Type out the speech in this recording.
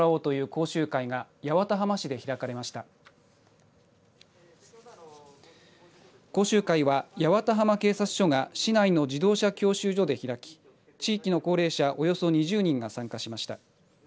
講習会は八幡浜警察署が市内の自動車教習所で開き地域の高齢者およそ２０人が参加しました。